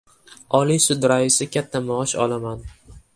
Oliy sudi raisi: «Katta maosh olaman...»